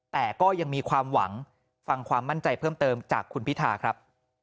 แต่ก็ยังมีความหวังฟังความมั่นใจเพิ่มเติมจากคุณพิธาครับ